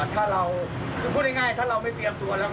ถ้าเราคือพูดง่ายถ้าเราไม่เตรียมตัวแล้ว